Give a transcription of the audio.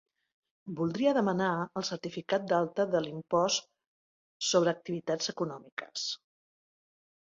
Voldria demanar el certificat d'alta de l'impost sobre activitats econòmiques.